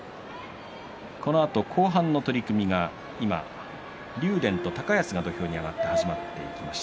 このあと後半の取組が今、竜電と高安が土俵に上がって始まっていきます。